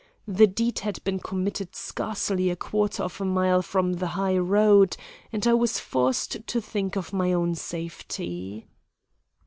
The deed had been committed scarcely a quarter of a mile from the high road, and I was forced to think of my own safety.